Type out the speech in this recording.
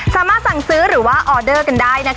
สามารถสั่งซื้อหรือว่าออเดอร์กันได้นะคะ